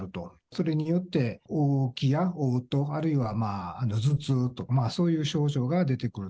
それによっておう気やおう吐、あるいは頭痛と、そういう症状が出てくる。